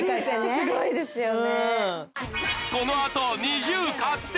すごいですよね。